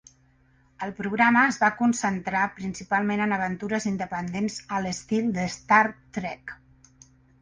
El programa es va concentrar principalment en aventures independents a l'estil de "Star Trek".